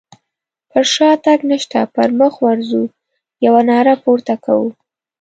پر شاتګ نشته پر مخ ورځو يوه ناره پورته کوو.